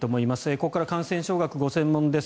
ここから感染症学がご専門です